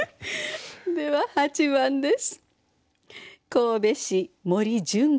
では８番です。